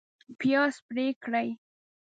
پیاز پرې کړئ